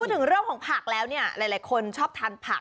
ถึงเรื่องของผักแล้วเนี่ยหลายคนชอบทานผัก